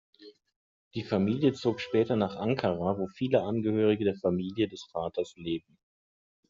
Die Familie zog später nach Ankara, wo viele Angehörige der Familie des Vaters leben.